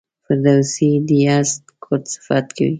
فردوسي د یزدګُرد صفت کوي.